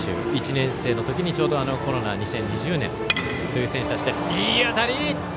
１年生の時にちょうどコロナ２０２０年という選手たちです。